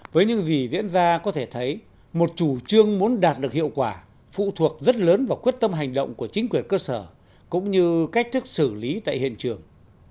với những gì diễn ra có thể thấy một chủ trương muốn đạt được hiệu quả phụ thuộc rất lớn vào quyết tâm hành động của chính quyền cơ sở cũng như cách thức xử lý tại hiện trường